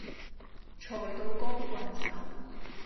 財到光棍手